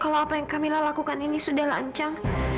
kalau apa yang kak mila lakukan ini sudah lancang